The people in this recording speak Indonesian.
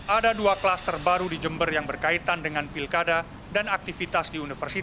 ada dua klaster baru di jember yang berkaitan dengan pilkada dan aktivitas di universitas